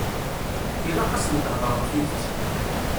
Ilaq asen-theḍṛem tidet.